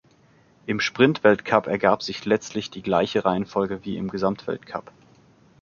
Im Sprintweltcup ergab sich letztlich die gleiche Reihenfolge wie im Gesamtweltcup.